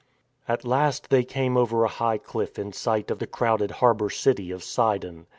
At last they came over a high cliff in sight of the crowded harbour city of Sidon.